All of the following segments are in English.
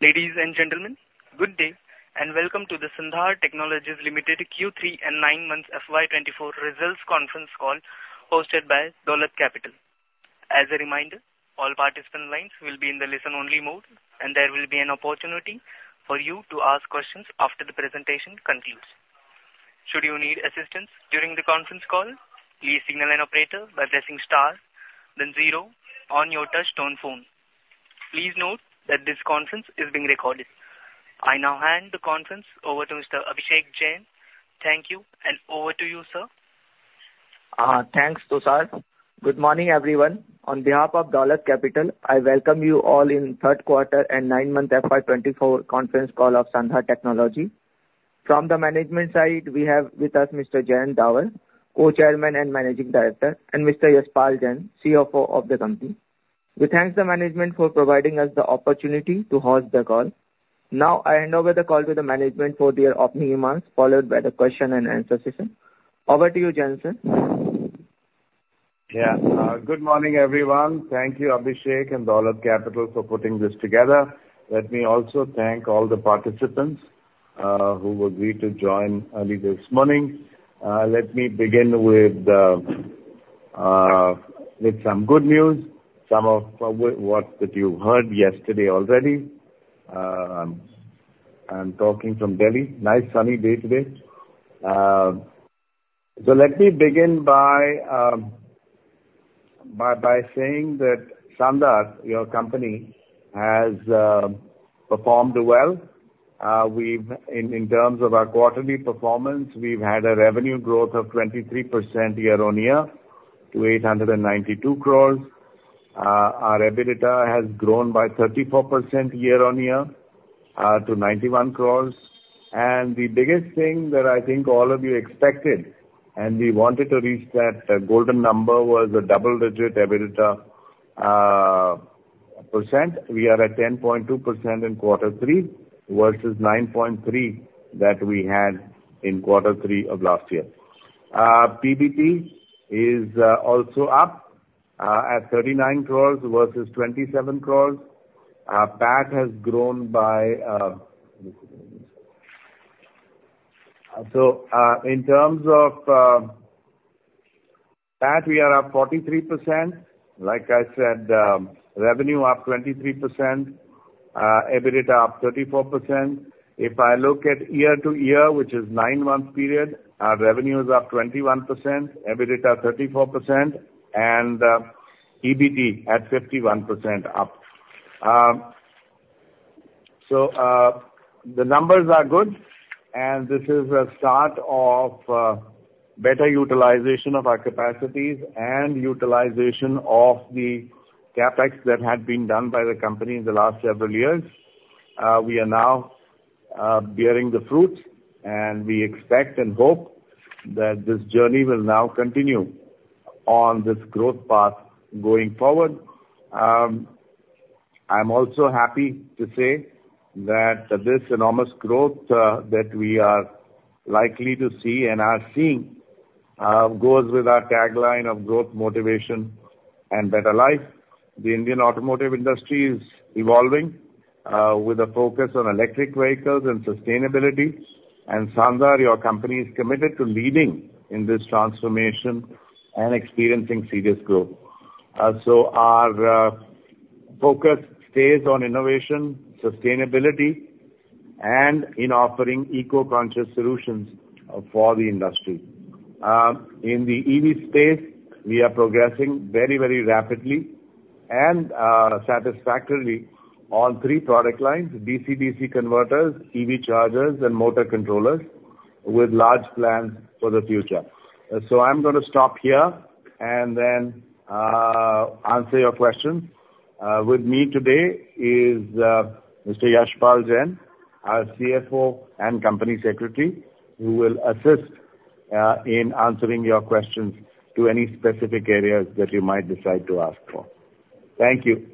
Ladies and gentlemen, good day, and welcome to the Sandhar Technologies Limited Q3 and nine months FY 2024 results conference call hosted by Dolat Capital. As a reminder, all participant lines will be in the listen-only mode, and there will be an opportunity for you to ask questions after the presentation concludes. Should you need assistance during the conference call, please signal an operator by pressing star, then zero on your touchtone phone. Please note that this conference is being recorded. I now hand the conference over to Mr. Abhishek Jain. Thank you, and over to you, sir. Thanks, Tushar. Good morning, everyone. On behalf of Dolat Capital, I welcome you all in third quarter and nine-month FY 2024 conference call of Sandhar Technologies. From the management side, we have with us Mr. Jayant Davar, Co-Chairman and Managing Director, and Mr. Yashpal Jain, CFO of the company. We thank the management for providing us the opportunity to host the call. Now, I hand over the call to the management for their opening remarks, followed by the question and answer session. Over to you, Jayant. Yeah. Good morning, everyone. Thank you, Abhishek and Dolat Capital, for putting this together. Let me also thank all the participants who agreed to join early this morning. Let me begin with some good news, some of what that you heard yesterday already. I'm talking from Delhi. Nice sunny day today. So let me begin by saying that Sandhar, your company, has performed well. In terms of our quarterly performance, we've had a revenue growth of 23% year-on-year to 892 crores. Our EBITDA has grown by 34% year-on-year to 91 crores. And the biggest thing that I think all of you expected, and we wanted to reach that golden number, was a double-digit EBITDA percent. We are at 10.2% in quarter three versus 9.3% that we had in quarter three of last year. PBT is also up at 39 crore versus 27 crore. Our PAT has grown by, so, in terms of PAT, we are up 43%. Like I said, revenue up 23%, EBITDA up 34%. If I look at year-over-year, which is 9-month period, our revenue is up 21%, EBITDA 34%, and EBT at 51% up. So, the numbers are good, and this is a start of better utilization of our capacities and utilization of the CapEx that had been done by the company in the last several years. We are now bearing the fruits, and we expect and hope that this journey will now continue on this growth path going forward. I'm also happy to say that this enormous growth that we are likely to see and are seeing goes with our tagline of Growth, Motivation, and Better Life. The Indian automotive industry is evolving with a focus on electric vehicles and sustainability, and Sandhar, your company, is committed to leading in this transformation and experiencing serious growth. So our focus stays on innovation, sustainability, and in offering eco-conscious solutions for the industry. In the EV space, we are progressing very, very rapidly and satisfactorily on three product lines, DC-DC converters, EV chargers, and motor controllers, with large plans for the future. So I'm gonna stop here and then answer your questions. With me today is Mr. Yashpal Jain, our CFO and Company Secretary, who will assist in answering your questions to any specific areas that you might decide to ask for. Thank you.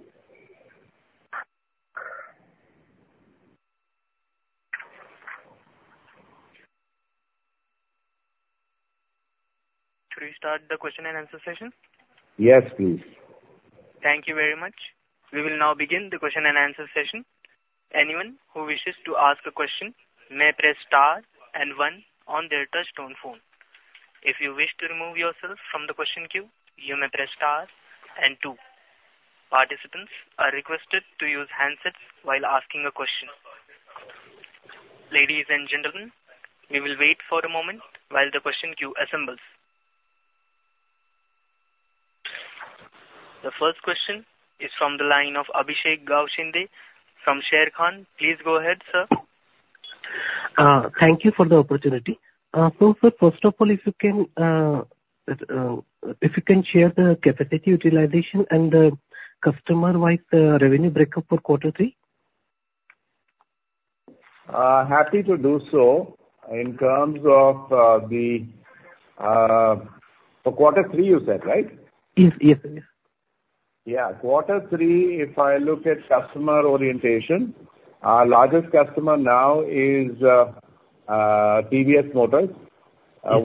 Should we start the question and answer session? Yes, please. Thank you very much. We will now begin the question and answer session. Anyone who wishes to ask a question may press star and one on their touchtone phone. If you wish to remove yourself from the question queue, you may press star and two. Participants are requested to use handsets while asking a question. Ladies and gentlemen, we will wait for a moment while the question queue assembles. The first question is from the line of Abhishek Gaoshinde from Sharekhan. Please go ahead, sir. Thank you for the opportunity. So, sir, first of all, if you can share the capacity utilization and the customer-wise revenue breakup for quarter three? Happy to do so. In terms of, the... For quarter three, you said, right? Yes. Yes, yes. Yeah. Quarter three, if I look at customer orientation, our largest customer now is, TVS Motors,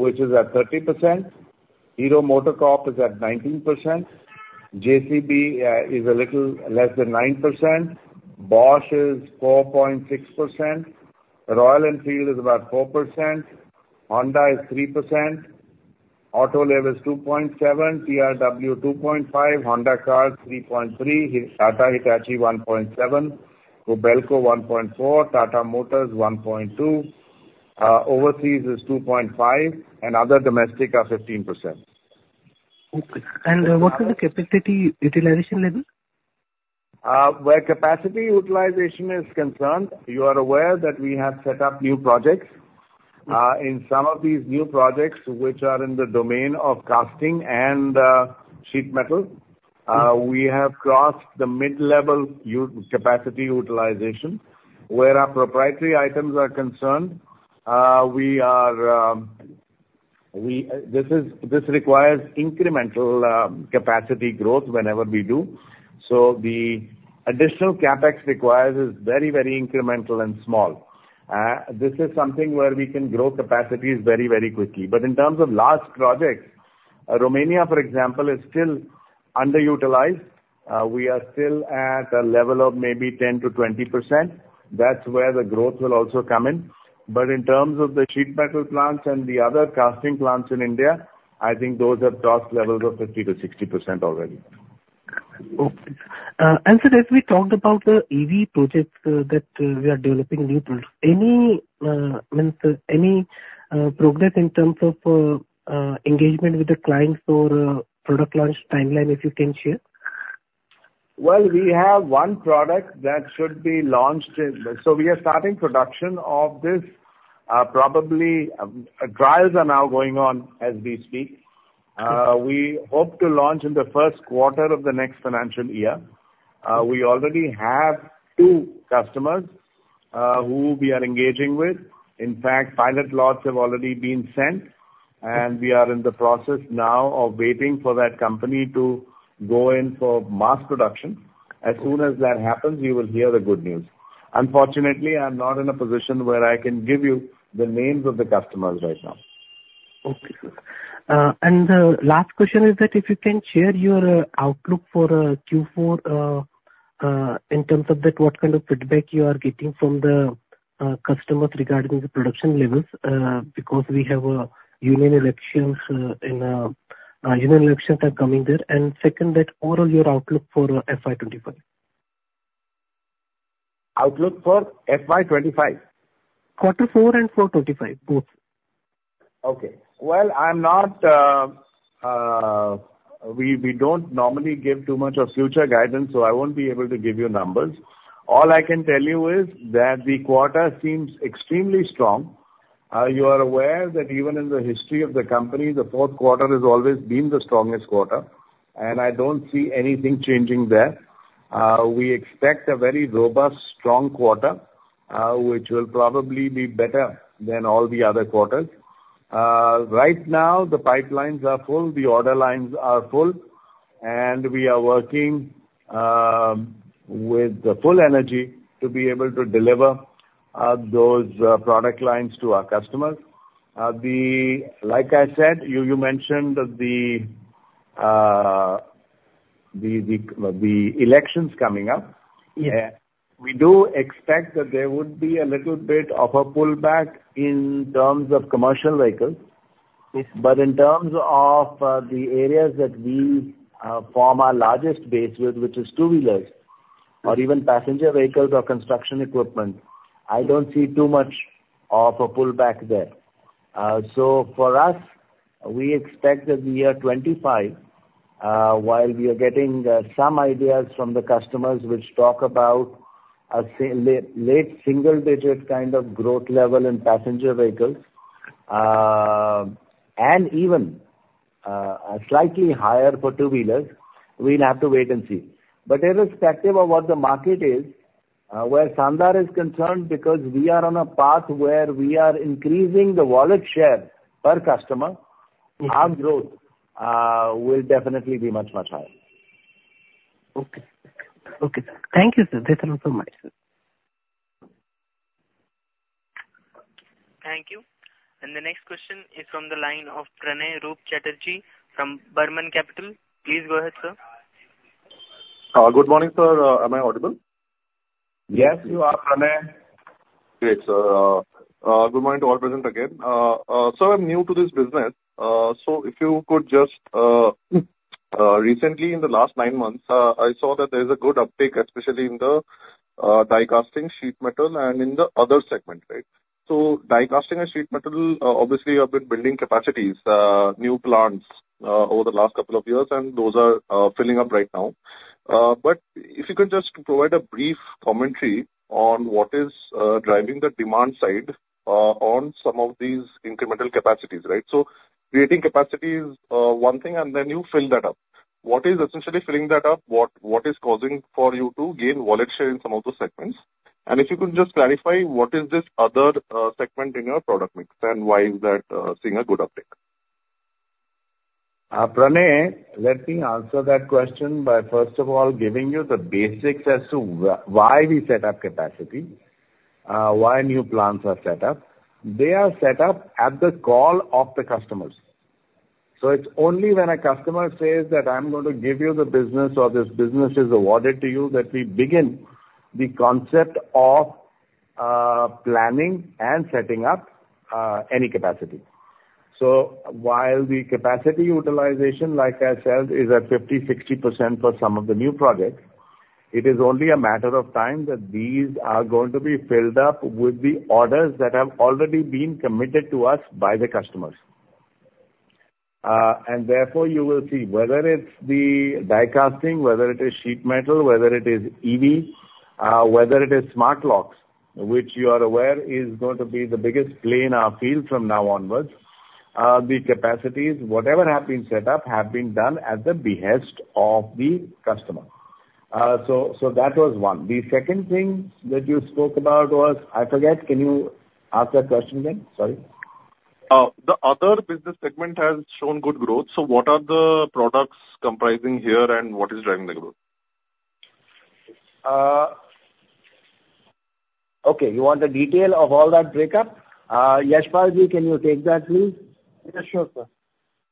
which is at 30%. Hero MotoCorp is at 19%. JCB is a little less than 9%. Bosch is 4.6%. Royal Enfield is about 4%. Honda is 3%. Autoliv is 2.7%. TRW, 2.5%. Honda Cars, 3.3%. Tata Hitachi, 1.7%. Kobelco, 1.4%. Tata Motors, 1.2%. Overseas is 2.5%, and other domestic are 15%. Okay. What is the capacity utilization level? Where capacity utilization is concerned, you are aware that we have set up new projects. Mm-hmm. In some of these new projects, which are in the domain of Die Casting and Sheet Metal- Mm-hmm. We have crossed the mid-level capacity utilization. Where our proprietary items are concerned, we are, we. This is, this requires incremental, capacity growth whenever we do. So the additional CapEx required is very, very incremental and small. This is something where we can grow capacities very, very quickly. But in terms of large projects, Romania, for example, is still underutilized. We are still at a level of maybe 10%-20%. That's where the growth will also come in. But in terms of the sheet metal plants and the other die casting plants in India, I think those have crossed levels of 50%-60% already. Okay. Sir, as we talked about the EV projects that we are developing new products, any means any progress in terms of engagement with the clients or product launch timeline, if you can share? Well, we have one product that should be launched in... So we are starting production of this, probably. Trials are now going on as we speak. Okay. We hope to launch in the first quarter of the next financial year. Okay. We already have two customers, who we are engaging with. In fact, pilot lots have already been sent, and we are in the process now of waiting for that company to go in for mass production. As soon as that happens, you will hear the good news. Unfortunately, I'm not in a position where I can give you the names of the customers right now. Okay, sir. And the last question is that if you can share your outlook for Q4 in terms of that, what kind of feedback you are getting from the customers regarding the production levels? Because we have union elections coming there. And second, that overall your outlook for FY 2025. Outlook for FY 2025? Quarter four and FY 2025, both. Okay. Well, I'm not. We don't normally give too much of future guidance, so I won't be able to give you numbers. All I can tell you is that the quarter seems extremely strong. You are aware that even in the history of the company, the fourth quarter has always been the strongest quarter, and I don't see anything changing there. We expect a very robust, strong quarter, which will probably be better than all the other quarters. Right now, the pipelines are full, the order lines are full, and we are working with the full energy to be able to deliver those product lines to our customers. Like I said, you mentioned that the elections coming up. Yeah. We do expect that there would be a little bit of a pullback in terms of commercial vehicles. Yes. But in terms of the areas that we form our largest base with, which is two-wheelers- Mm-hmm. Or even passenger vehicles or construction equipment, I don't see too much of a pullback there. So for us, we expect that the year 2025, while we are getting some ideas from the customers which talk about a late single digit kind of growth level in passenger vehicles, and even a slightly higher for two-wheelers, we'll have to wait and see. But irrespective of what the market is, where Sandhar is concerned, because we are on a path where we are increasing the wallet share per customer- Mm-hmm. - Our growth will definitely be much, much higher. Okay. Okay, sir. Thank you, sir. That's enough for me, sir. Thank you. The next question is from the line of Pranay Roop Chatterjee from Burman Capital. Please go ahead, sir. Good morning, sir. Am I audible? Yes, you are, Pranay. Great, sir. Good morning to all present again. Sir, I'm new to this business, so if you could just recently, in the last nine months, I saw that there is a good uptick, especially in the Die Casting, Sheet Metal, and in the other segment, right? So Die Casting and Sheet Metal, obviously you have been building capacities, new plants, over the last couple of years, and those are filling up right now. But if you could just provide a brief commentary on what is driving the demand side on some of these incremental capacities, right? So creating capacity is one thing, and then you fill that up. What is essentially filling that up? What is causing for you to gain wallet share in some of the segments? If you could just clarify, what is this other segment in your product mix, and why is that seeing a good uptick? Pranay, let me answer that question by first of all, giving you the basics as to why we set up capacity, why new plants are set up. They are set up at the call of the customers. So it's only when a customer says that I'm going to give you the business, or this business is awarded to you, that we begin the concept of, planning and setting up, any capacity. So while the capacity utilization, like I said, is at 50%-60% for some of the new projects, it is only a matter of time that these are going to be filled up with the orders that have already been committed to us by the customers. And therefore, you will see whether it's the Die Casting, whether it is Sheet Metal, whether it is EV, whether it is Smart Locks, which you are aware is going to be the biggest play in our field from now onwards. The capacities, whatever have been set up, have been done at the behest of the customer. So, so that was one. The second thing that you spoke about was... I forget. Can you ask that question again? Sorry. The other business segment has shown good growth, so what are the products comprising here, and what is driving the growth? Okay, you want the detail of all that breakup? Yashpalji, can you take that, please? Yes, sure, sir.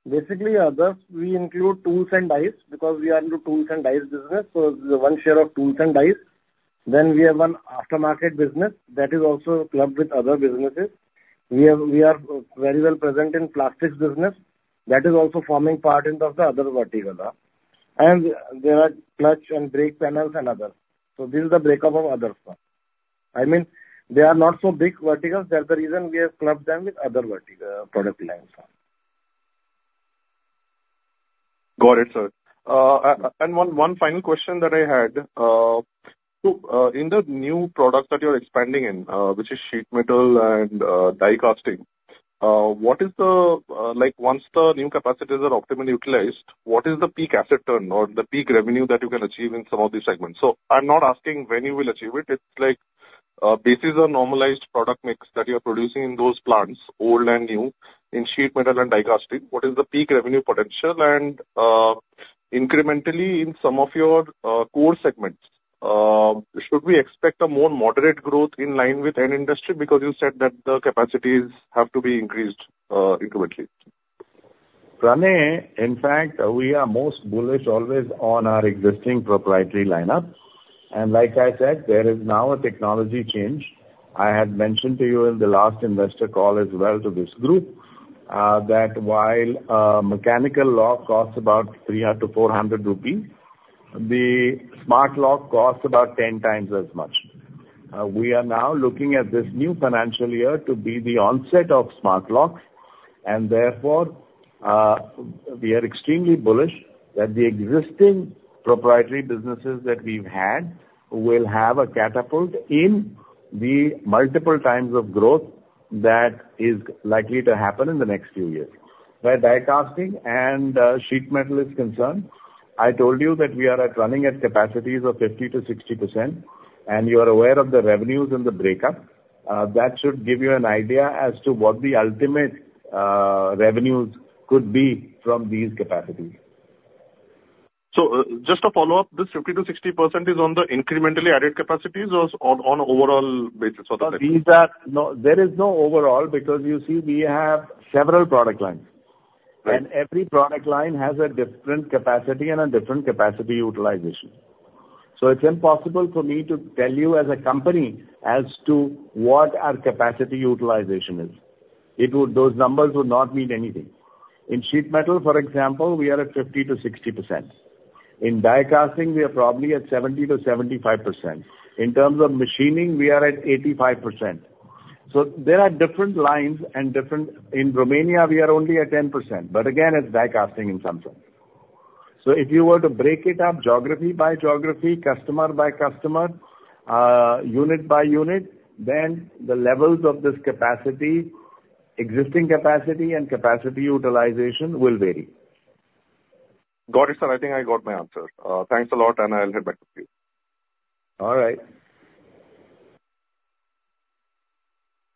Basically, others, we include tools and dies, because we are into tools and dies business, so one share of tools and dies. Then we have one aftermarket business that is also clubbed with other businesses. We are, we are very well present in plastics business. That is also forming part of the other vertical. And there are clutch and brake panels and others. So this is the breakup of others. I mean, they are not so big verticals. That's the reason we have clubbed them with other vertical, product lines. Got it, sir. And one final question that I had. So, in the new products that you're expanding in, which is sheet metal and Die Casting, what is the, like, once the new capacities are optimally utilized, what is the peak asset turn or the peak revenue that you can achieve in some of these segments? So I'm not asking when you will achieve it. It's like, this is a normalized product mix that you are producing in those plants, old and new, in sheet metal and Die Casting. What is the peak revenue potential? And, incrementally, in some of your core segments, should we expect a more moderate growth in line with any industry? Because you said that the capacities have to be increased, incrementally. Pranay, in fact, we are most bullish always on our existing proprietary lineup. And like I said, there is now a technology change. I had mentioned to you in the last investor call as well to this group, that while a mechanical lock costs about 300-400 rupee, the smart lock costs about 10x as much. We are now looking at this new financial year to be the onset of smart locks, and therefore, we are extremely bullish that the existing proprietary businesses that we've had will have a catapult in the multiple times of growth that is likely to happen in the next few years. Where die casting and sheet metal is concerned, I told you that we are running at capacities of 50%-60%, and you are aware of the revenues and the breakup. That should give you an idea as to what the ultimate revenues could be from these capacities. So just a follow-up, this 50%-60% is on the incrementally added capacities or on, on overall basis for the- No, there is no overall, because you see, we have several product lines. Right. Every product line has a different capacity and a different capacity utilization. So it's impossible for me to tell you as a company as to what our capacity utilization is. It would—those numbers would not mean anything. In sheet metal, for example, we are at 50%-60%. In Die Casting, we are probably at 70%-75%. In terms of Machining, we are at 85%. So there are different lines and different... In Romania, we are only at 10%, but again, it's Die Casting in some sense. So if you were to break it up geography by geography, customer by customer, unit by unit, then the levels of this capacity, existing capacity and capacity utilization will vary. Got it, sir. I think I got my answer. Thanks a lot, and I'll get back to you. All right.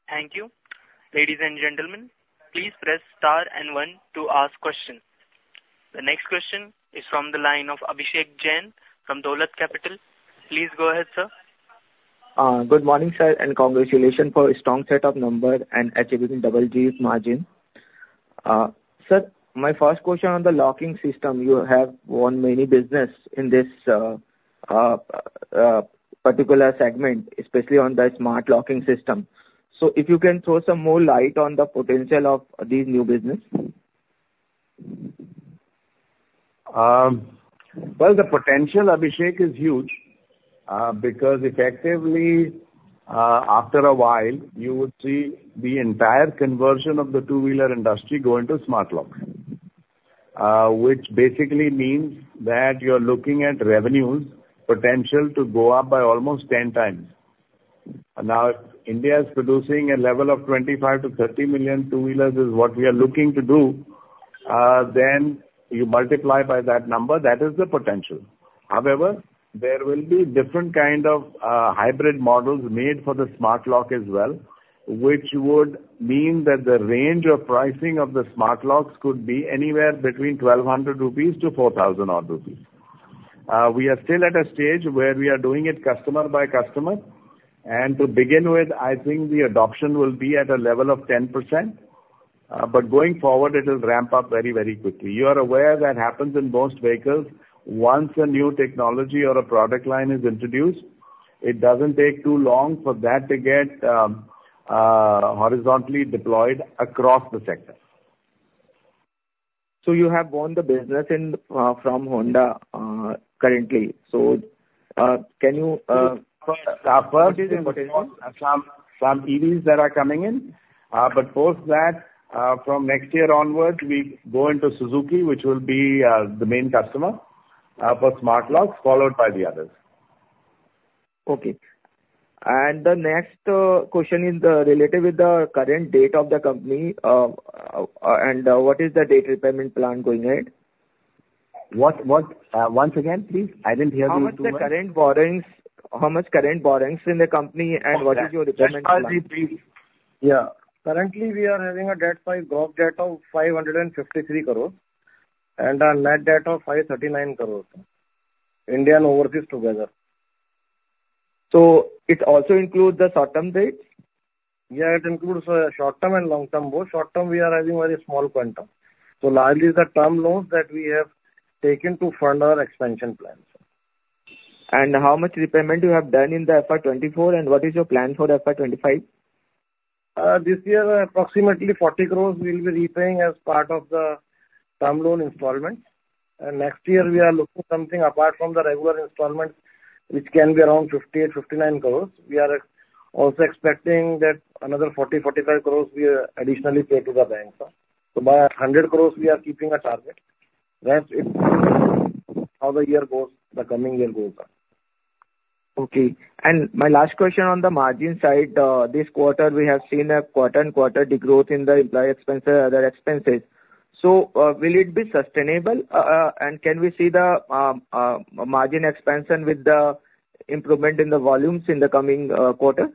Thank you. Ladies and gentlemen, please press star and one to ask questions. The next question is from the line of Abhishek Jain from Dolat Capital. Please go ahead, sir. Good morning, sir, and congratulations for a strong set of numbers and EBITDA double-digit margin. Sir, my first question on the Locking system, you have won many business in this particular segment, especially on the smart Locking system. So if you can throw some more light on the potential of these new business? Well, the potential, Abhishek, is huge, because effectively, after a while, you would see the entire conversion of the two-wheeler industry go into smart lock. Which basically means that you're looking at revenues potential to go up by almost 10x. Now, if India is producing a level of 25 million-30 million two-wheelers, is what we are looking to do, then you multiply by that number, that is the potential. However, there will be different kind of hybrid models made for the smart lock as well, which would mean that the range of pricing of the smart locks could be anywhere between 1,200-4,000 rupees [odd]. We are still at a stage where we are doing it customer by customer, and to begin with, I think the adoption will be at a level of 10%, but going forward, it will ramp up very, very quickly. You are aware that happens in most vehicles. Once a new technology or a product line is introduced, it doesn't take too long for that to get horizontally deployed across the sector. So you have won the business in from Honda currently. So, can you First is some EVs that are coming in, but post that, from next year onwards, we go into Suzuki, which will be the main customer for smart locks, followed by the others. Okay. And the next question is related with the current debt of the company, and what is the debt repayment plan going ahead? What, what? Once again, please. I didn't hear you too well. How much the current borrowings, how much current borrowings in the company, and what is your repayment plan? Yashpalji, please. Yeah. Currently, we are having a debt by, gross debt of 553 crore and a net debt of 539 crore, India and overseas together. It also includes the short-term debts? Yeah, it includes short-term and long-term, both. Short-term, we are having very small quantum, so largely the term loans that we have taken to fund our expansion plans. How much repayment you have done in the FY 2024, and what is your plan for FY 2025? This year, approximately 40 crore we will be repaying as part of the term loan installments. Next year, we are looking something apart from the regular installments, which can be around 58-59 crore. We are also expecting that another 40-45 crore we additionally pay to the bank. So by 100 crore we are keeping a target. Rest, it's how the year goes, the coming year goes. Okay. My last question on the margin side, this quarter, we have seen quarter-over-quarter degrowth in the employee expenses, other expenses. Will it be sustainable? And can we see the margin expansion with the improvement in the volumes in the coming quarter?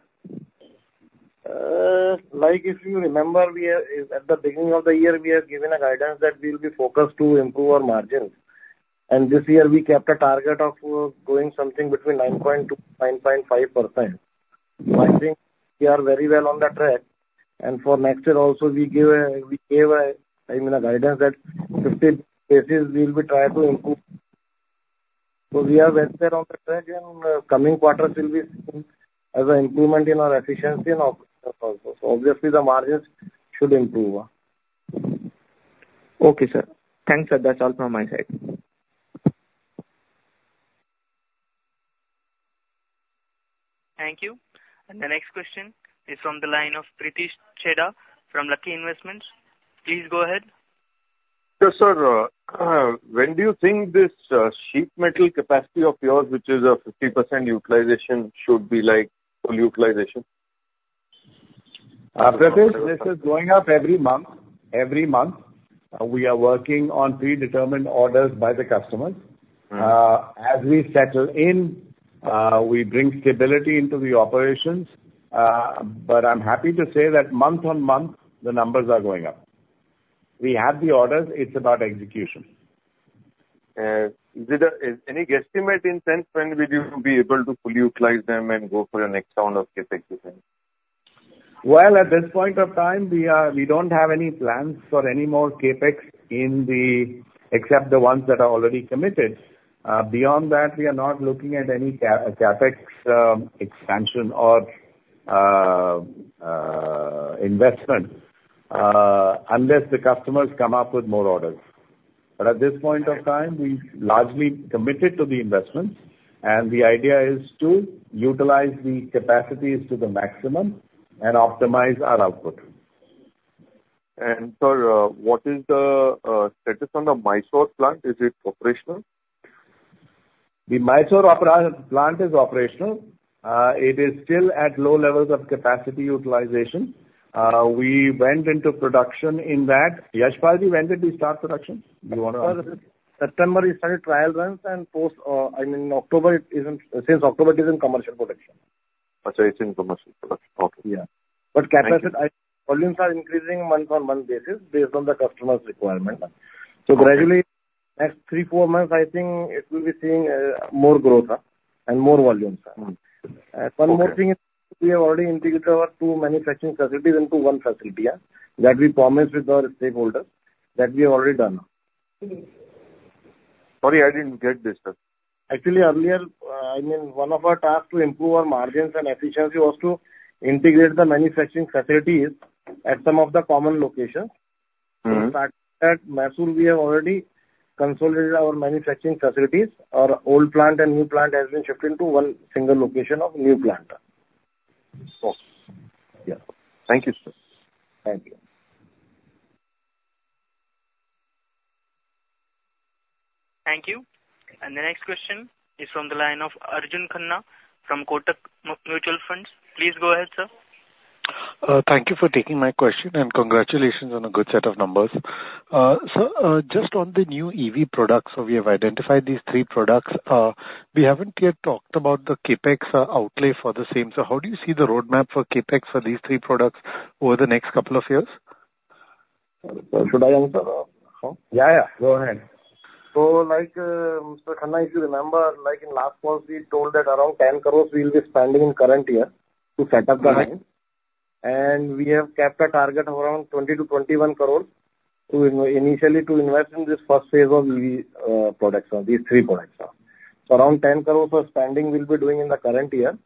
Like, if you remember, at the beginning of the year, we have given a guidance that we will be focused to improve our margins. This year we kept a target of going something between 9.2%-9.5%. I think we are very well on the track, and for next year also, we gave, I mean, a guidance that 50 basis points we will be trying to improve. So we are well set on the track, and coming quarters will be as an improvement in our efficiency and operations also. So obviously, the margins should improve. Okay, sir. Thanks, sir. That's all from my side. Thank you. The next question is from the line of Pritesh Chheda from Lucky Investment. Please go ahead. Yes, sir, when do you think this Sheet Metal capacity of yours, which is a 50% utilization, should be like full utilization? Pritesh, this is going up every month, every month. We are working on predetermined orders by the customers. Mm. As we settle in, we bring stability into the operations. But I'm happy to say that month-on-month, the numbers are going up. We have the orders. It's about execution. Is it any guesstimate in sense when we will be able to fully utilize them and go for the next round of CapEx with them? Well, at this point of the time, we are, we don't have any plans for any more CapEx in the except the ones that are already committed. Beyond that, we are not looking at any CapEx, expansion or investment unless the customers come up with more orders. But at this point of time, we've largely committed to the investments, and the idea is to utilize the capacities to the maximum and optimize our output. Sir, what is the status on the Mysore plant? Is it operational? The Mysore operations plant is operational. It is still at low levels of capacity utilization. We went into production in that. Yashpalji, when did we start production? Do you want to- September, we started trial runs, and post, I mean, October, since October, it is in commercial production. Okay, it's in commercial production. Okay. Yeah. Thank you. But capacity, volumes are increasing month-on-month basis based on the customer's requirement. So gradually, next 3-4 months, I think it will be seeing more growth and more volumes. Mm. Okay. One more thing is, we have already integrated our two manufacturing facilities into one facility, yeah? That we promised with our stakeholders, that we have already done. Sorry, I didn't get this, sir. Actually, earlier, I mean, one of our tasks to improve our margins and efficiency was to integrate the manufacturing facilities at some of the common locations. Mm-hmm. In fact, at Mysore, we have already consolidated our manufacturing facilities. Our old plant and new plant has been shifted into one single location of new plant. Okay. Yeah. Thank you, sir. Thank you. Thank you. The next question is from the line of Arjun Khanna from Kotak Mutual Fund. Please go ahead, sir. Thank you for taking my question, and congratulations on a good set of numbers. So, just on the new EV products, so we have identified these three products, we haven't yet talked about the CapEx outlay for the same. So how do you see the roadmap for CapEx for these three products over the next couple of years? Should I answer, huh? Yeah, yeah, go ahead. Like, Mr. Khanna, if you remember, like in last month, we told that around 10 crore we'll be spending in current year to set up the line. Mm-hmm. We have CapEx target around 20-21 crores to initially invest in this first phase of the products, these three products. So around 10 crores of spending we'll be doing in the current year,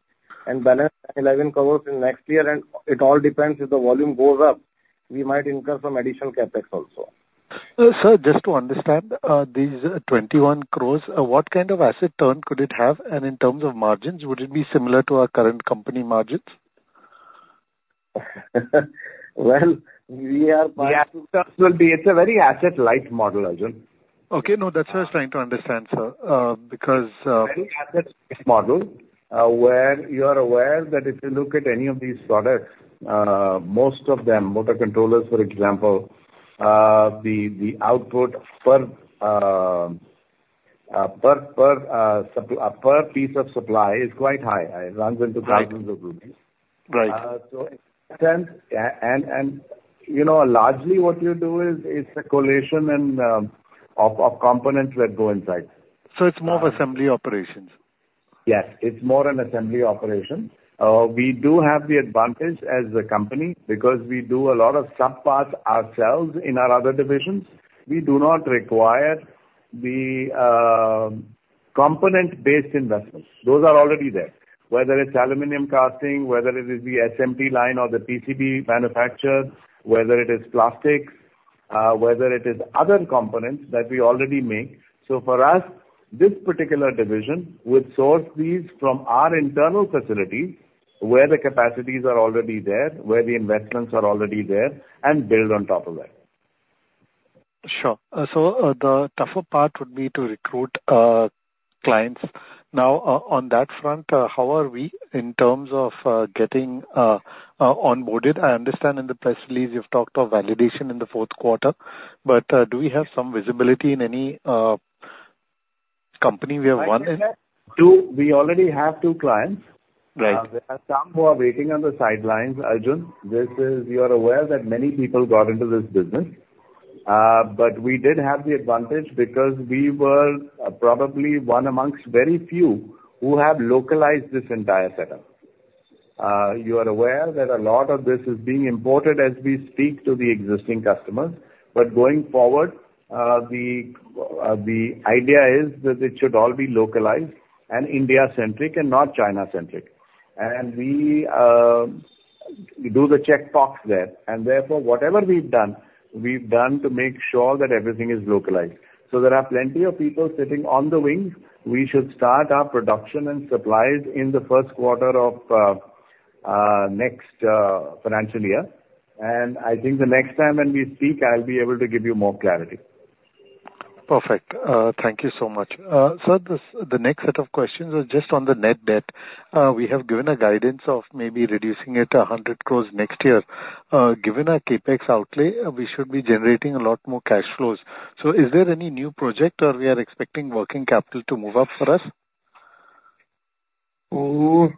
and balance 11 crores in next year, and it all depends if the volume goes up, we might incur some additional CapEx also. Sir, just to understand, these 21 crore, what kind of asset turn could it have? In terms of margins, would it be similar to our current company margins? Well, we are- Yeah, it's a very asset-light model, Arjun. Okay, no, that's what I was trying to understand, sir. Because, Model, where you are aware that if you look at any of these products, most of them, motor controllers, for example, the output per piece of supply is quite high. It runs into thousands of. Right. So it makes sense. You know, largely what you do is, it's a correlation and of components that go inside. It's more of assembly operations? Yes, it's more an assembly operation. We do have the advantage as a company because we do a lot of subparts ourselves in our other divisions. We do not require the component-based investments. Those are already there, whether it's Aluminum Casting, whether it is the SMT line or the PCB manufacture, whether it is plastics, whether it is other components that we already make. So for us, this particular division would source these from our internal facilities, where the capacities are already there, where the investments are already there, and build on top of that. Sure. So, the tougher part would be to recruit clients. Now, on that front, how are we in terms of getting onboarded? I understand in the press release you've talked of validation in the fourth quarter, but do we have some visibility in any company we have won in? We already have 2 clients. Right. There are some who are waiting on the sidelines, Arjun. This is, you are aware that many people got into this business. But we did have the advantage because we were probably one amongst very few who have localized this entire setup. You are aware that a lot of this is being imported as we speak to the existing customers, but going forward, the idea is that it should all be localized and India-centric and not China-centric. And we do the check box there, and therefore, whatever we've done, we've done to make sure that everything is localized. So there are plenty of people sitting on the wings. We should start our production and supplies in the first quarter of next financial year. I think the next time when we speak, I'll be able to give you more clarity. Perfect. Thank you so much. Sir, the next set of questions is just on the net debt. We have given a guidance of maybe reducing it 100 crore next year. Given our CapEx outlay, we should be generating a lot more cash flows. So is there any new project or we are expecting working capital to move up for us? Uh-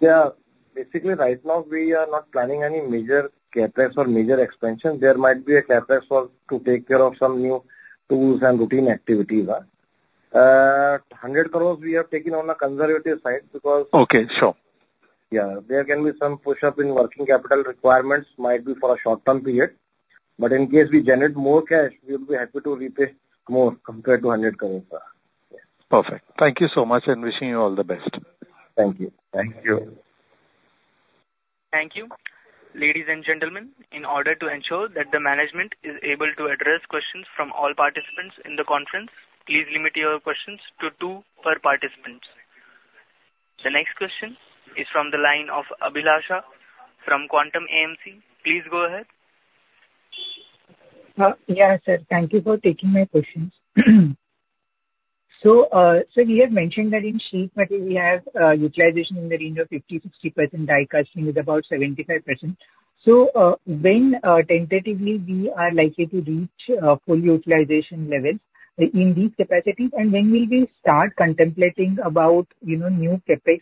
Yeah, basically, right now, we are not planning any major CapEx or major expansion. There might be a CapEx for to take care of some new tools and routine activity. 100 crores we have taken on a conservative side because- Okay, sure. Yeah, there can be some push-up in working capital requirements, might be for a short-term period, but in case we generate more cash, we'll be happy to repay more compared to 100 crore, sir. Perfect. Thank you so much, and wishing you all the best. Thank you. Thank you. Thank you. Ladies and gentlemen, in order to ensure that the management is able to address questions from all participants in the conference, please limit your questions to two per participant. The next question is from the line of Abhilasha from Quantum AMC. Please go ahead. Yeah, sir. Thank you for taking my questions. So, sir, you have mentioned that in Sheet Metal we have utilization in the range of 50%-60%, Die Casting is about 75%. So, when tentatively we are likely to reach full utilization level in these capacities, and when will we start contemplating about, you know, new CapEx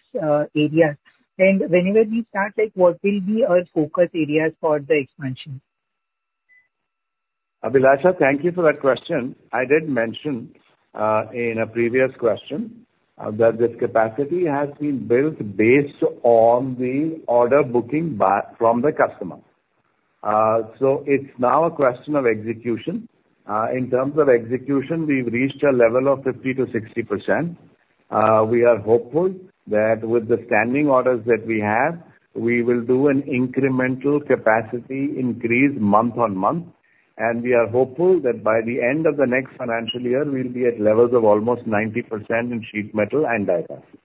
areas? And whenever we start, like, what will be our focus areas for the expansion? Abhilasha, thank you for that question. I did mention, in a previous question, that this capacity has been built based on the order booking by, from the customer. So it's now a question of execution. In terms of execution, we've reached a level of 50%-60%. We are hopeful that with the standing orders that we have, we will do an incremental capacity increase month-on-month, and we are hopeful that by the end of the next financial year, we'll be at levels of almost 90% in Sheet Metal and Die Casting.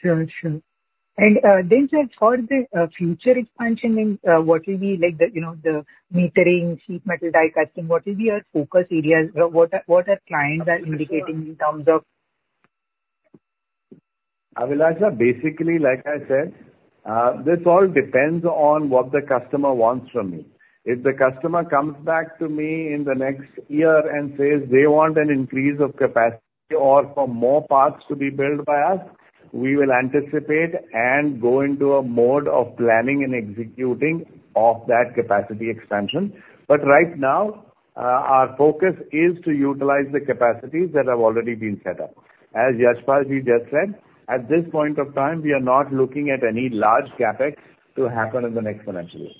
Sure, sure. And then, sir, for the future expansion, what will be like the, you know, the metering, Sheet Metal, Die Casting, what will be our focus areas? What are clients indicating in terms of- Abhilasha, basically, like I said, this all depends on what the customer wants from me. If the customer comes back to me in the next year and says they want an increase of capacity or for more parts to be built by us, we will anticipate and go into a mode of planning and executing of that capacity expansion. But right now, our focus is to utilize the capacities that have already been set up. As Yashpalji just said, at this point of time, we are not looking at any large CapEx to happen in the next financial year.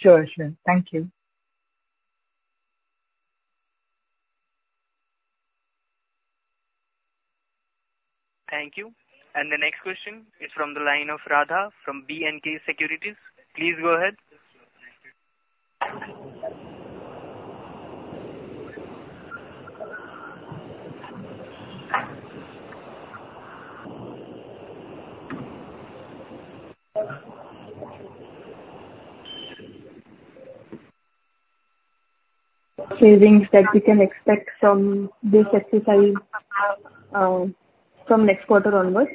Sure, sure. Thank you. Thank you. The next question is from the line of Radha from B&K Securities. Please go ahead. Savings that we can expect from this exercise, from next quarter onwards?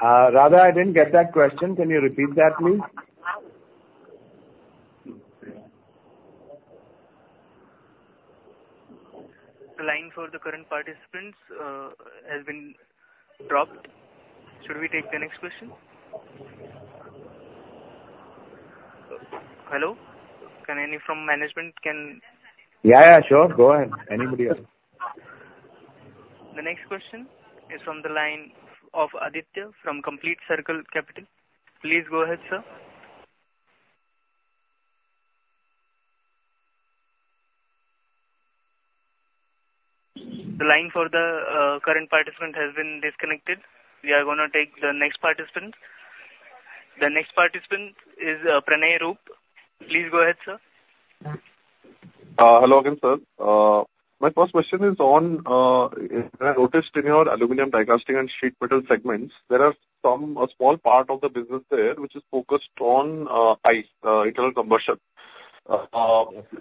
Radha, I didn't get that question. Can you repeat that, please? The line for the current participant has been dropped. Should we take the next question? Hello, can any from management can- Yeah, yeah, sure. Go ahead, anybody else. The next question is from the line of Aditya from Complete Circle Capital. Please go ahead, sir. The line for the current participant has been disconnected. We are gonna take the next participant. The next participant is Pranay Roop. Please go ahead, sir. Hello again, sir. My first question is on, I noticed in your Aluminum Die Casting and Sheet Metal segments, there are some, a small part of the business there, which is focused on, ICE, internal combustion.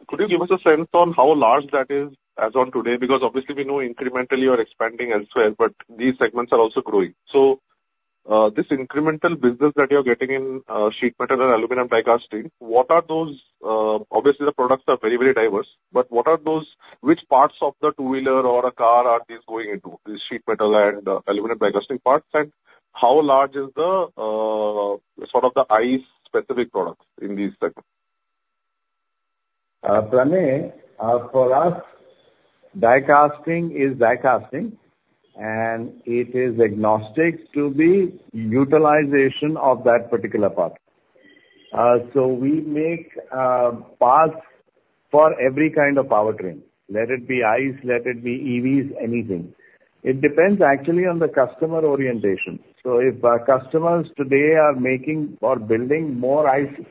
Could you give us a sense on how large that is as on today? Because obviously, we know incrementally you are expanding elsewhere, but these segments are also growing. So, this incremental business that you're getting in, Sheet Metal and Aluminum Die Casting, what are those... Obviously, the products are very, very diverse, but what are those, which parts of the two-wheeler or a car are these going into, the Sheet Metal and Aluminum Die Casting parts, and how large is the, sort of, the ICE specific products in these segments? Pranay, for us, Die Casting is Die Casting, and it is agnostic to the utilization of that particular part. So we make parts for every kind of powertrain, let it be ICE, let it be EVs, anything. It depends actually on the customer orientation. So if our customers today are making or building more ICE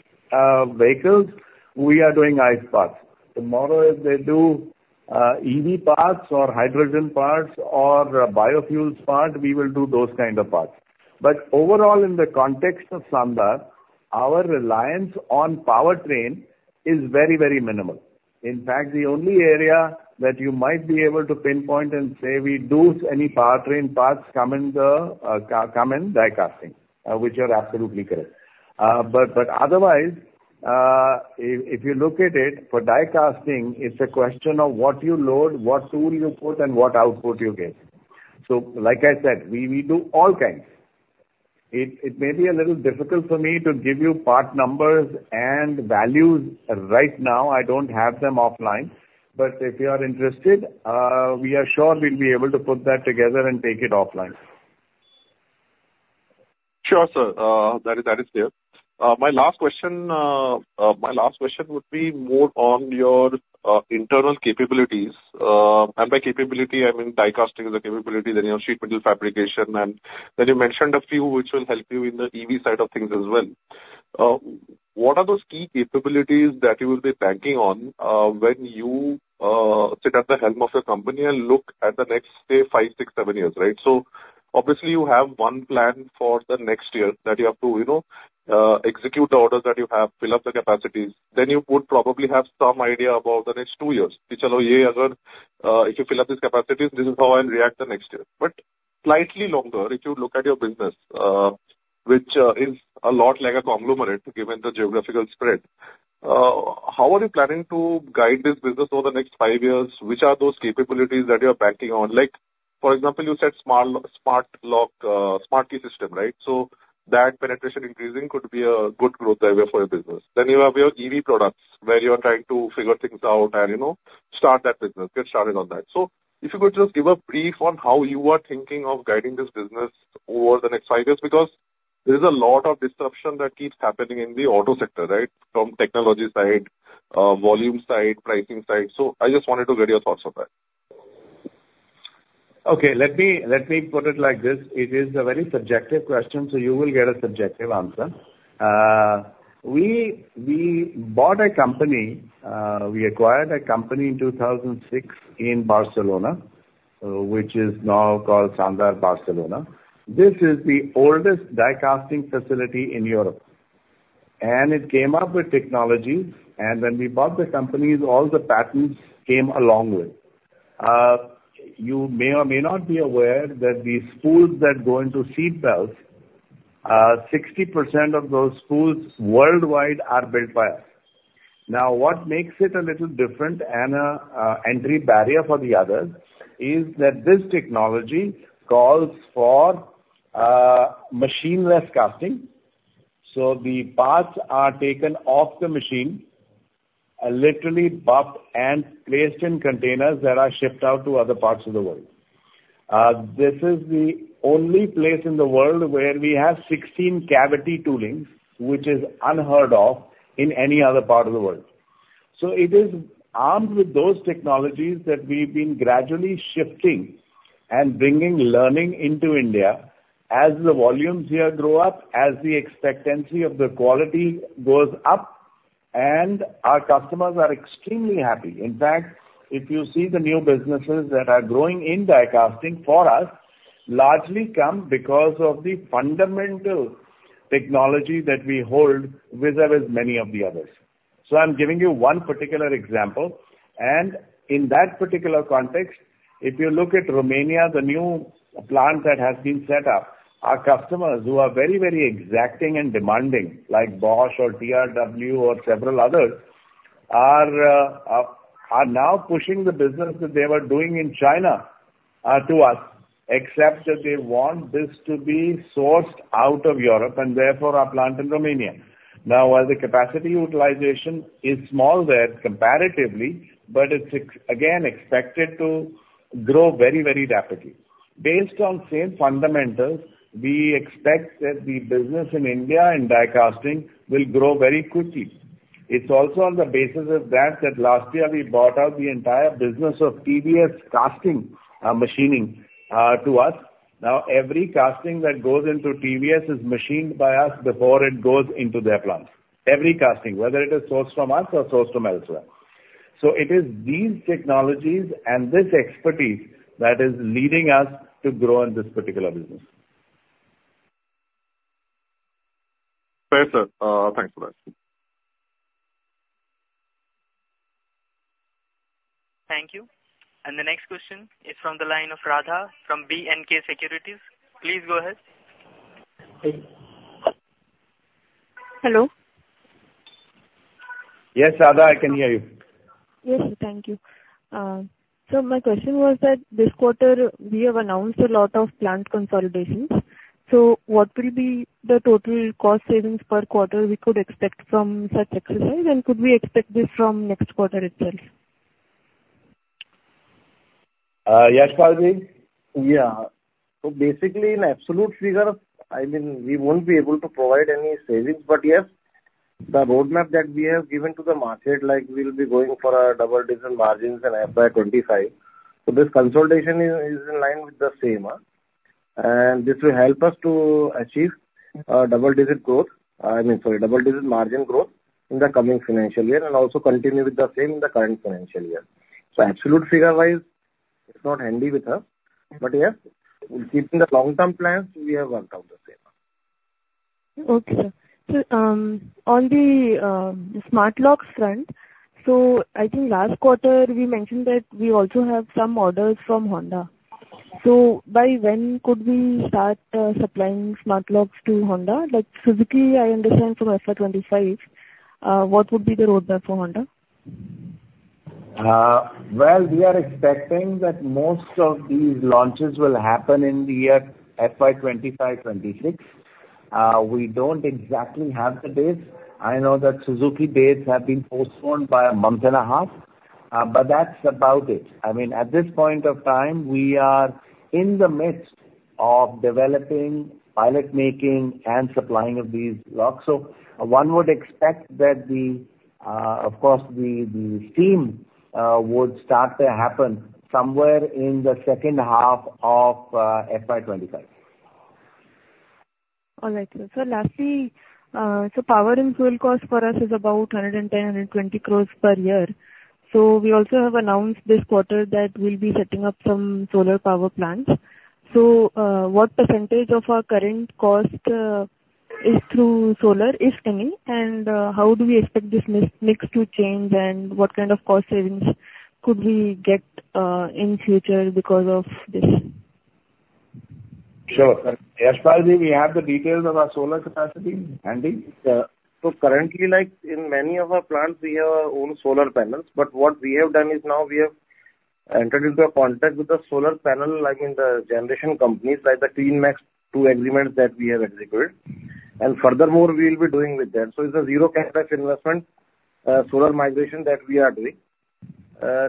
vehicles, we are doing ICE parts. Tomorrow, if they do EV parts or hydrogen parts or biofuels part, we will do those kind of parts. But overall, in the context of Sandhar, our reliance on powertrain is very, very minimal. In fact, the only area that you might be able to pinpoint and say we do any powertrain parts come in die casting, which you're absolutely correct. But otherwise, if you look at it, for die casting, it's a question of what you load, what tool you put, and what output you get. So like I said, we do all kinds. It may be a little difficult for me to give you part numbers and values right now. I don't have them offline, but if you are interested, we are sure we'll be able to put that together and take it offline. Sure, sir. That is, that is clear. My last question would be more on your internal capabilities. And by capability, I mean Die Casting is a capability, then you have Sheet Metal Fabrication, and then you mentioned a few which will help you in the EV side of things as well. What are those key capabilities that you will be banking on, when you sit at the helm of the company and look at the next, say, five, six, seven years, right? So obviously, you have one plan for the next year that you have to, you know, execute the orders that you have, fill up the capacities. Then you would probably have some idea about the next two years. If you fill up these capacities, this is how I'll react the next year. But slightly longer, if you look at your business, which is a lot like a conglomerate, given the geographical spread, how are you planning to guide this business over the next five years? Which are those capabilities that you are banking on? Like, for example, you said smart lock, smart key system, right? So that penetration increasing could be a good growth driver for your business. Then you have your EV products, where you are trying to figure things out and, you know, start that business, get started on that. So if you could just give a brief on how you are thinking of guiding this business over the next five years, because there is a lot of disruption that keeps happening in the auto sector, right? From Technology side, Volume side, Pricing side. I just wanted to get your thoughts on that. Okay, let me, let me put it like this. It is a very subjective question, so you will get a subjective answer. We bought a company, we acquired a company in 2006 in Barcelona, which is now called Sandhar Barcelona. This is the oldest die casting facility in Europe. And it came up with technology, and when we bought the companies, all the patents came along with. You may or may not be aware that the spools that go into seat belts, 60% of those spools worldwide are built by us. Now, what makes it a little different and a entry barrier for the others is that this technology calls for machine-less casting, so the parts are taken off the machine and literally buffed and placed in containers that are shipped out to other parts of the world. This is the only place in the world where we have 16 cavity toolings, which is unheard of in any other part of the world. So it is armed with those technologies that we've been gradually shifting and bringing learning into India as the volumes here grow up, as the expectancy of the quality goes up, and our customers are extremely happy. In fact, if you see the new businesses that are growing in Die Casting, for us, largely come because of the fundamental technology that we hold vis-à-vis many of the others. So I'm giving you one particular example, and in that particular context, if you look at Romania, the new plant that has been set up, our customers, who are very, very exacting and demanding, like Bosch or TRW or several others, are now pushing the business that they were doing in China to us, except that they want this to be sourced out of Europe and therefore our plant in Romania. Now, while the capacity utilization is small there comparatively, but it's expected to grow very, very rapidly. Based on same fundamentals, we expect that the business in India, in Die Casting, will grow very quickly. It's also on the basis of that, that last year we bought out the entire business of TVS Casting, Machining, to us. Now, every casting that goes into TVS is machined by us before it goes into their plant. Every casting, whether it is sourced from us or sourced from elsewhere. So it is these technologies and this expertise that is leading us to grow in this particular business. Okay, sir. Thanks for that. Thank you. The next question is from the line of Radha from B&K Securities. Please go ahead. Hello? Yes, Radha, I can hear you. Yes, thank you. So my question was that this quarter we have announced a lot of plant consolidations, so what will be the total cost savings per quarter we could expect from such exercise, and could we expect this from next quarter itself? Yashpalji? Yeah. So basically, in absolute figures, I mean, we won't be able to provide any savings, but, yes, the roadmap that we have given to the market, like we'll be going for, double-digit margins in FY 2025, so this consolidation is, is in line with the same, and this will help us to achieve, double-digit growth, I mean, sorry, double-digit margin growth in the coming financial year and also continue with the same in the current financial year. So absolute figure-wise, it's not handy with us. But, yes, keeping the long-term plans, we have worked out the same. Okay. So, on the smart locks front, so I think last quarter we mentioned that we also have some orders from Honda. So by when could we start supplying smart locks to Honda? Like, physically, I understand from FY 2025, what would be the roadmap for Honda? Well, we are expecting that most of these launches will happen in the year FY 2025, 2026. We don't exactly have the dates. I know that Suzuki dates have been postponed by a month and a half, but that's about it. I mean, at this point of time, we are in the midst of developing, pilot making, and supplying of these locks. So one would expect that the, of course, the, the steam, would start to happen somewhere in the second half of, FY 2025. All right, sir. So lastly, so power and fuel costs for us is about 110-120 crores per year. So we also have announced this quarter that we'll be setting up some solar power plants. So, what percentage of our current cost is through solar, if any? And, how do we expect this mix to change, and what kind of cost savings could we get in future because of this? Sure. Yashpalji, we have the details of our solar capacity handy? So currently, like in many of our plants, we have our own solar panels, but what we have done is now we have entered into a contract with the solar panel, like in the generation companies, like the CleanMax, two agreements that we have executed. And furthermore, we'll be doing with them. So it's a zero CapEx investment solar migration that we are doing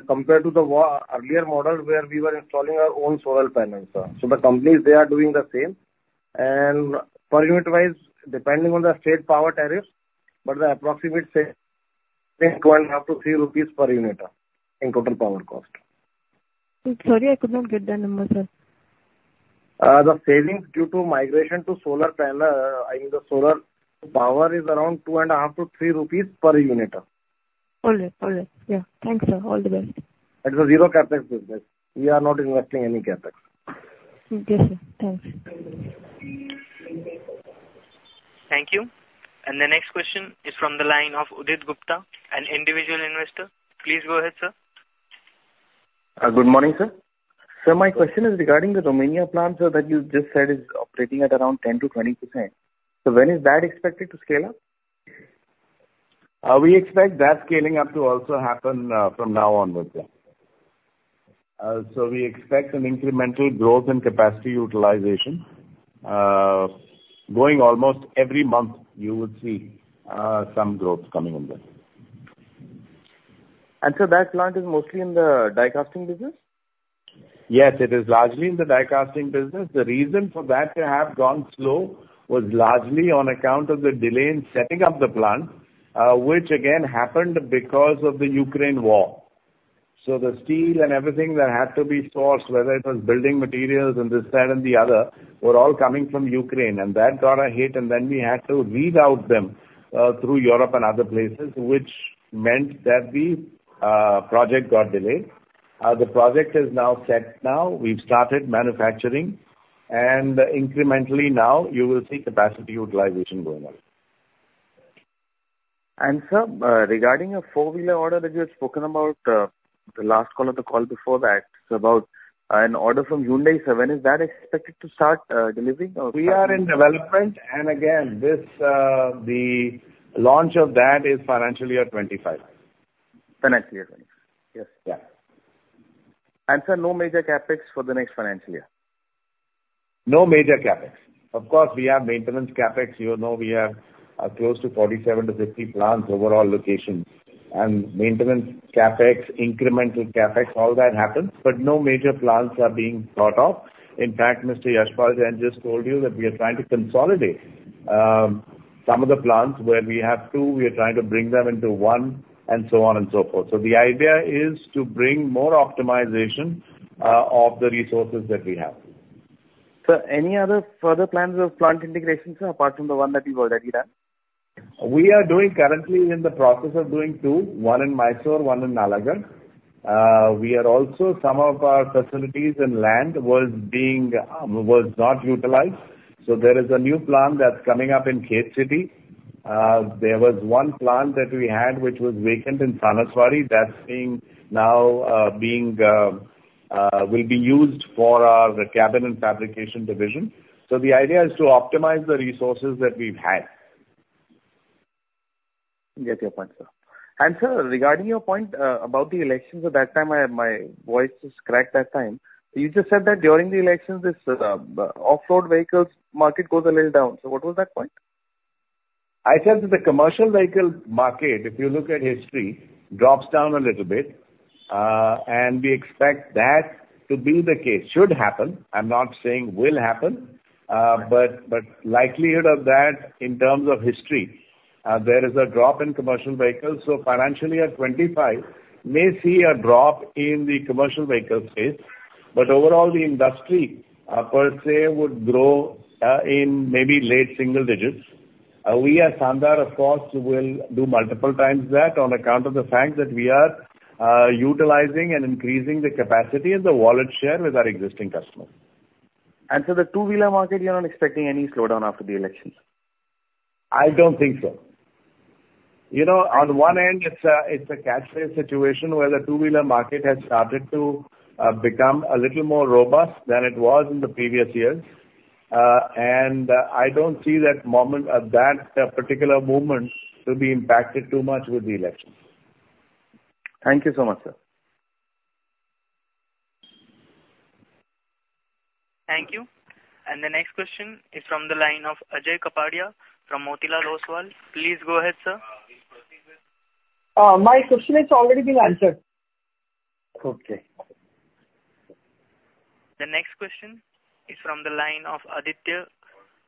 compared to the earlier model, where we were installing our own solar panels. So the companies, they are doing the same. And per unit-wise, depending on the state power tariffs, but the approximate say, 2.5-3 rupees per unit in total power cost. Sorry, I could not get that number, sir. The savings due to migration to solar panel, I mean, the solar power is around 2.5-3 rupees per unit. Got it. Got it. Yeah. Thanks, sir. All the best. It's a zero CapEx business. We are not investing any CapEx. Okay, sir. Thanks. Thank you. The next question is from the line of Udit Gupta, an individual investor. Please go ahead, sir. Good morning, sir. Sir, my question is regarding the Romania plant, so that you just said is operating at around 10%-20%. When is that expected to scale up? We expect that scaling up to also happen, from now onwards, yeah. So we expect an incremental growth in capacity utilization, going almost every month, you would see, some growth coming in there. That plant is mostly in the Die Casting business? Yes, it is largely in the Die Casting business. The reason for that to have gone slow was largely on account of the delay in setting up the plant, which again happened because of the Ukraine war. So the steel and everything that had to be sourced, whether it was building materials on this side and the other, were all coming from Ukraine, and that got a hit, and then we had to weed out them, through Europe and other places, which meant that the project got delayed. The project is now set now. We've started manufacturing, and incrementally now you will see capacity utilization going on. Sir, regarding a four-wheeler order that you had spoken about, the last quarter call before that, so about an order from Hyundai, so when is that expected to start delivering or- We are in development, and again, this, the launch of that is financial year 2025. Financial year, yes. Yeah. Sir, no major CapEx for the next financial year? No major CapEx. Of course, we have maintenance CapEx. You know, we have close to 47-50 plants overall locations, and maintenance CapEx, incremental CapEx, all that happens, but no major plants are being thought of. In fact, Mr. Yashpal, just told you that we are trying to consolidate some of the plants where we have two, we are trying to bring them into one, and so on and so forth. So the idea is to bring more optimization of the resources that we have. Sir, any other further plans of plant integrations apart from the one that you've already done? We are doing currently in the process of doing two, one in Mysore, one in Nalagarh. We are also some of our facilities and land was being, was not utilized, so there is a new plant that's coming up in Khed City. There was one plant that we had, which was vacant in Sanaswadi, that's being now, being, will be used for our cabinet fabrication division. So the idea is to optimize the resources that we've had. Get your point, sir. And, sir, regarding your point, about the elections, at that time, my voice was cracked that time. You just said that during the elections, this off-road vehicles market goes a little down. So what was that point? I said that the commercial vehicle market, if you look at history, drops down a little bit, and we expect that to be the case. Should happen, I'm not saying will happen, but, but likelihood of that in terms of history, there is a drop in commercial vehicles. So financially at 2025 may see a drop in the commercial vehicle space, but overall, the industry, per se, would grow, in maybe late single digits. We at Sandhar, of course, will do multiple times that on account of the fact that we are, utilizing and increasing the capacity and the wallet share with our existing customers. The two-wheeler market, you're not expecting any slowdown after the elections? I don't think so. You know, on the one hand, it's a, it's a catch-phrase situation where the two-wheeler market has started to become a little more robust than it was in the previous years. And I don't see that moment, that particular moment to be impacted too much with the elections. Thank you so much, sir. Thank you. The next question is from the line of Ajay Kapadia from Motilal Oswal. Please go ahead, sir. My question has already been answered. Okay. The next question is from the line of Aditya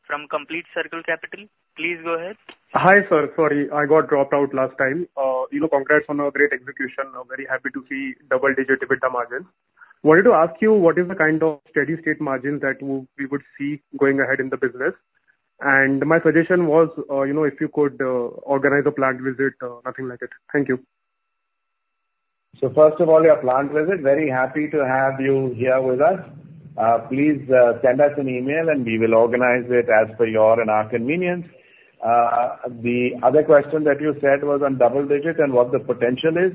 from Complete Circle Capital. Please go ahead. Hi, sir. Sorry, I got dropped out last time. You know, congrats on a great execution. I'm very happy to see double-digit EBITDA margin. Wanted to ask you, what is the kind of steady-state margin that we, we would see going ahead in the business? And my suggestion was, you know, if you could organize a plant visit, nothing like it. Thank you. First of all, your plant visit, very happy to have you here with us. Please send us an email, and we will organize it as per your and our convenience. The other question that you said was on double digit and what the potential is.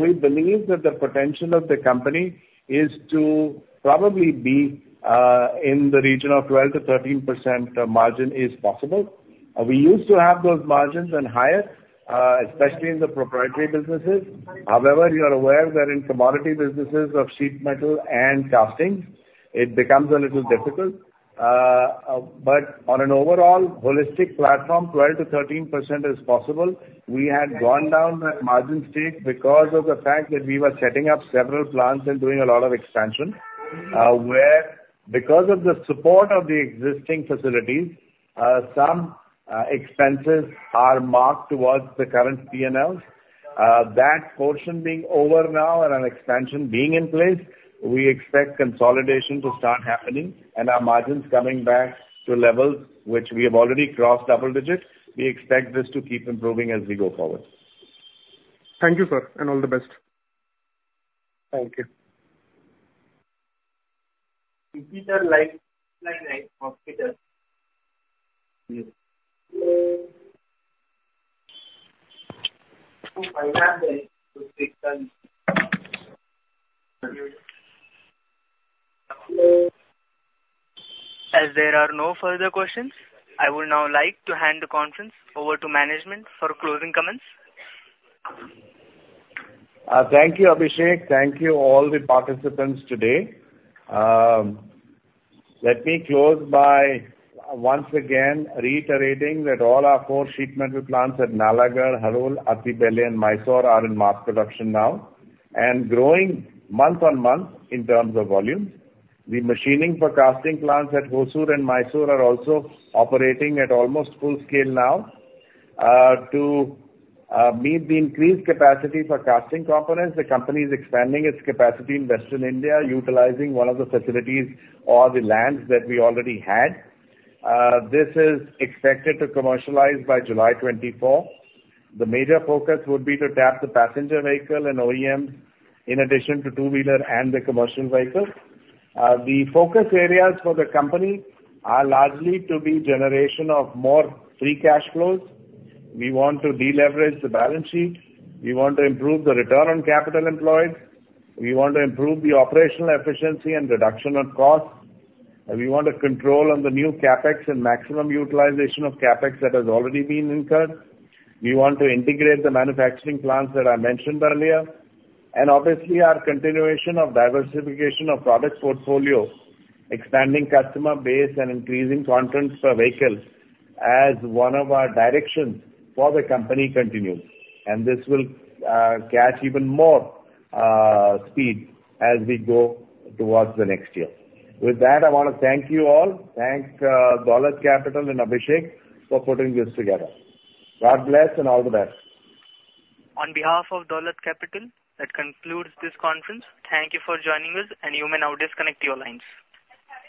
We believe that the potential of the company is to probably be in the region of 12%-13% margin is possible. We used to have those margins and higher, especially in the proprietary businesses. However, you are aware that in commodity businesses of Sheet Metal and Die Casting, it becomes a little difficult. But on an overall holistic platform, 12%-13% is possible. We had gone down that margin state because of the fact that we were setting up several plants and doing a lot of expansion, where because of the support of the existing facilities, some expenses are marked towards the current P&Ls. That portion being over now and an expansion being in place, we expect consolidation to start happening and our margins coming back to levels which we have already crossed double digits. We expect this to keep improving as we go forward. Thank you, sir, and all the best. Thank you. As there are no further questions, I would now like to hand the conference over to management for closing comments. Thank you, Abhishek. Thank you, all the participants today. Let me close by once again reiterating that all our four sheet metal plants at Nalagarh, Harol, Attibele, and Mysore are in mass production now and growing month-on-month in terms of volume. The Machining for casting plants at Hosur and Mysore are also operating at almost full scale now. To meet the increased capacity for casting components, the company is expanding its capacity in Western India, utilizing one of the facilities or the lands that we already had. This is expected to commercialize by July 2024. The major focus would be to tap the passenger vehicle and OEM, in addition to two-wheeler and the commercial vehicles. The focus areas for the company are largely to be generation of more free cash flows. We want to deleverage the balance sheet. We want to improve the return on capital employed. We want to improve the operational efficiency and reduction on costs. We want to control on the new CapEx and maximum utilization of CapEx that has already been incurred. We want to integrate the manufacturing plants that I mentioned earlier, and obviously, our continuation of diversification of product portfolio, expanding customer base, and increasing content per vehicle as one of our directions for the company continues. And this will catch even more speed as we go towards the next year. With that, I want to thank you all. Thank Dolat Capital and Abhishek for putting this together. God bless and all the best. On behalf of Dolat Capital, that concludes this conference. Thank you for joining us, and you may now disconnect your lines.